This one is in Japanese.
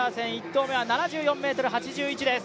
１回目は７４ｍ８１です。